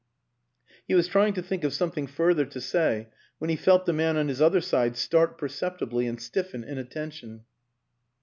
He was trying to think of something further to say when he felt the man on his other side start perceptibly and stiffen in attention.